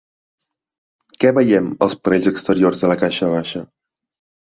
Què veiem als panells exteriors de la caixa baixa?